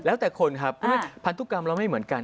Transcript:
เพราะฉะนั้นพันธุกรรมเราไม่เหมือนกัน